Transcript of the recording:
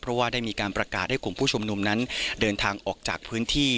เพราะว่าได้มีการประกาศให้กลุ่มผู้ชุมนุมนั้นเดินทางออกจากพื้นที่